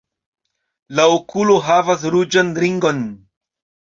La okulo havas ruĝan ringon.